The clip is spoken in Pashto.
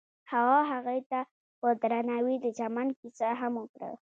هغه هغې ته په درناوي د چمن کیسه هم وکړه.